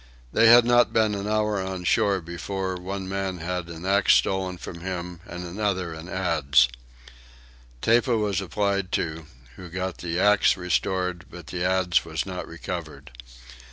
They had not been an hour on shore before one man had an axe stolen from him and another an adze. Tepa was applied to, who got the axe restored but the adze was not recovered.